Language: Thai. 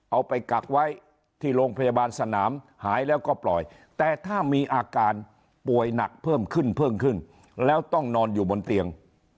ไปกักไว้ที่โรงพยาบาลสนามหายแล้วก็ปล่อยแต่ถ้ามีอาการป่วยหนักเพิ่มขึ้นเพิ่มขึ้นแล้วต้องนอนอยู่บนเตียง